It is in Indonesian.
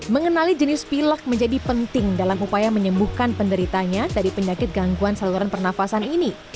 mengenali jenis pilak menjadi penting dalam upaya menyembuhkan penderitanya dari penyakit gangguan saluran pernafasan ini